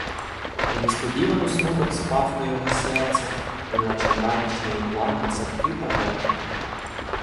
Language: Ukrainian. І несподівано смуток спав на його серце, неначе вранішня імла на садки та верби.